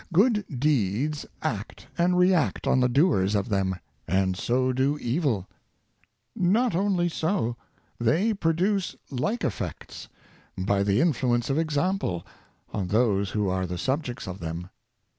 Good deeds act and react on the doers of them; and so do evil. Not only so: they produce like effects, by the influence of exam ple, on those who are the subjects of them.